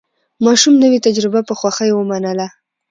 ماشوم نوې تجربه په خوښۍ ومنله